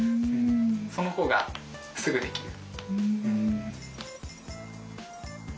その方がすぐできる。